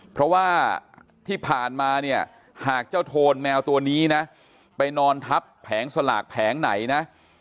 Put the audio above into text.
เพราะว่าที่ผ่านมาเนี่ยหากเจ้าโทนแมวตัวนี้นะไปนอนทับแผงสลากแผงไหนนะ